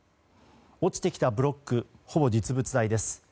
落ちてきたブロックほぼ実物大です。